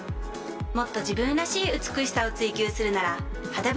もっと自分らしい「美しさ」を追求するなら「肌分析」！